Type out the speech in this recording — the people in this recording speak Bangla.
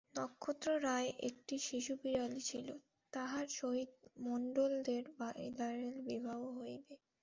নক্ষত্ররায়ের একটি শিশু বিড়ালী ছিল, তাহার সহিত মণ্ডলদের বিড়ালের বিবাহ হইবে।